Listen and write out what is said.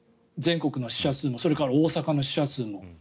全国の死者数もそれから大阪の死者数も。